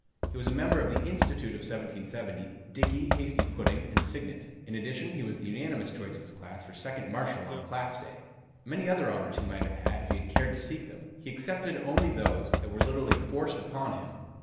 He was a member of the Institute of 1770, Dickey, Hasty Pudding, and Signet. In addition, he was the unanimous choice of his class for Second Marshal on Class Day. Many other honors he might have had if he had cared to seek them. He accepted only those that were literally forced upon him.